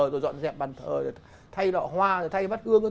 rồi dọn dẹp bàn thờ thay đọa hoa thay bát gương